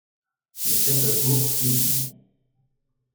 Nettat ur twufeq Tunhinan.